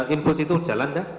infus itu jalan gak